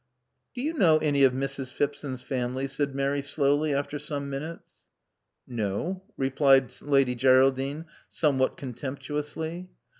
Do you know any of Mrs. Phipson's family?" said Mary slowly, after some minutes. No," replied Lady Geraldine, somewhat contemp tuously.